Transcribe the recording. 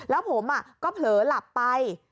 แล้วผมก็เผลอหลับไป